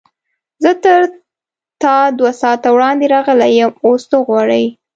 زه تر تا دوه ساعته وړاندې راغلی یم، اوس څه غواړې؟